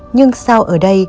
nhưng sao ở đây